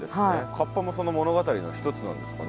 カッパもその物語の一つなんですかね？